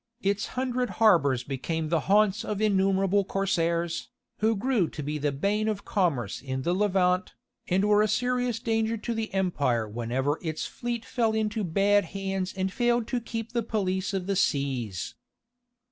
Its hundred harbours became the haunts of innumerable Corsairs, who grew to be the bane of commerce in the Levant, and were a serious danger to the empire whenever its fleet fell into bad hands and failed to keep the police of the seas.